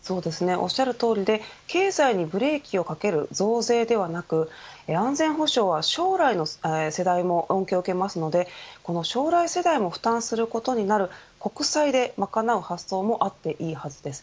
おっしゃる通りで経済にブレーキをかける増税ではなく安全保障は将来の世代も恩恵を受けますのでこの将来世代も負担することになる国債で賄う発想もあっていいはずです。